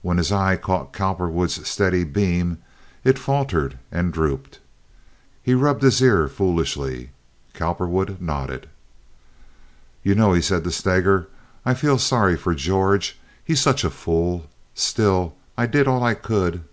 When his eye caught Cowperwood's steady beam, it faltered and drooped. He rubbed his ear foolishly. Cowperwood nodded. "You know," he said to Steger, "I feel sorry for George. He's such a fool. Still I did all I could."